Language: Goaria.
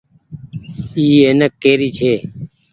اي اينڪ ڪري ڇي۔